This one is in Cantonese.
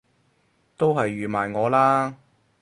都係預埋我啦！